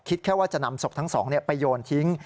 แค่ว่าจะนำศพทั้งสองไปโยนทิ้ง